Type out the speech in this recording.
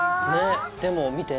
でも見て！